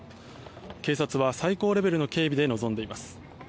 警察は最高レベルの警備で臨んでいます。